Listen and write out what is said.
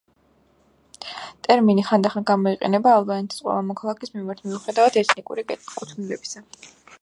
ტერმინი ხანდახან გამოიყენება ალბანეთის ყველა მოქალაქის მიმართ მიუხედავად ეთნიკური კუთვნილებისა.